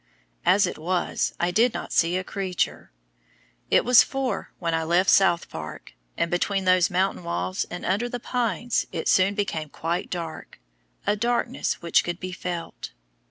As it was, I did not see a creature. It was four when I left South Park, and between those mountain walls and under the pines it soon became quite dark, a darkness which could be felt.